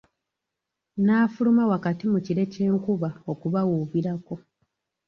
N'afuluma wakati mu kire ky'enkuba okubawuubirako.